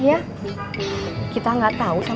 pasti dia akan berbicara sama pak kades